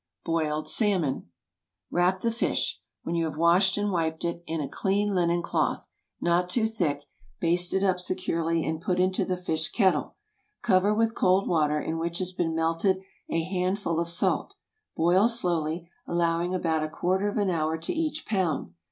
BOILED SALMON. (Fresh.) ✠ Wrap the fish, when you have washed and wiped it, in a clean linen cloth—not too thick—baste it up securely, and put into the fish kettle. Cover with cold water in which has been melted a handful of salt. Boil slowly, allowing about a quarter of an hour to each pound.